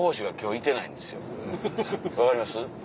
分かります？